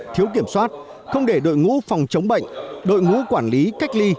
thiếu kiểm soát không để đội ngũ phòng chống bệnh đội ngũ quản lý cách ly